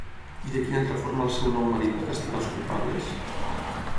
I de quina altra forma el seu nou marit va castigar els culpables?